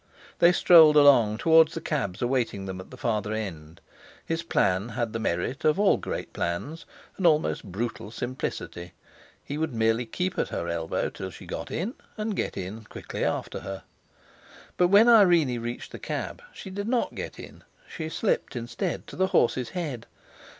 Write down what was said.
They strolled along toward the cabs awaiting them at the farther end. His plan had the merit of all great plans, an almost brutal simplicity— he would merely keep at her elbow till she got in, and get in quickly after her. But when Irene reached the cab she did not get in; she slipped, instead, to the horse's head.